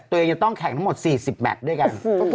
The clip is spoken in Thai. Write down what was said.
ตัวเองจะต้องแข่งทั้งหมด๔๐แมทด้วยกัน